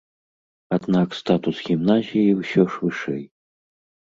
Аднак статус гімназіі ўсё ж вышэй.